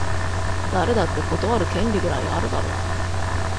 誰だって断る権利ぐらいあるだろ